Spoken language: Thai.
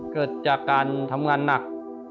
เกิดจากการทำงานหนัก